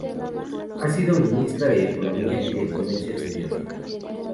Ha sido ministra de Economía y de Comercio Exterior.